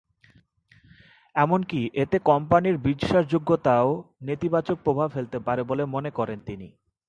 এমনকি এতে কোম্পানির বিশ্বাসযোগ্যতায়ও নেতিবাচক প্রভাব ফেলতে পারে বলে মনে করেন তিনি।